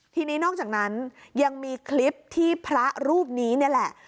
ทีนี้นอกจากนั้นยังมีคลิปที่พระรูปนี้นี่แหละ